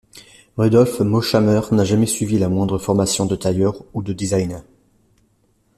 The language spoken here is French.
Rudolph Moshammer n'a jamais suivi la moindre formation de tailleur ou de designer.